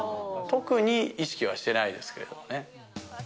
特に意識はしてないですけれどもね。